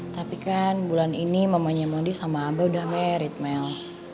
tapi kan bulan ini mamanya mondi sama abah udah married mel